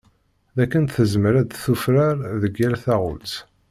Dakken tezmer ad d-tufrar deg yal taɣult.